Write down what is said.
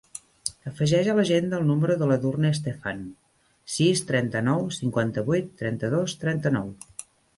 Afegeix a l'agenda el número de l'Edurne Stefan: sis, trenta-nou, cinquanta-vuit, trenta-dos, trenta-nou.